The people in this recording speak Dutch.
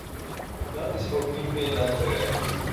Dat is ook niet meer dan terecht.